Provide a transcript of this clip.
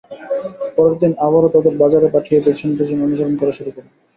পরের দিন আবারও তাদের বাজারে পাঠিয়ে পেছন পেছন অনুসরণ করা শুরু করেন।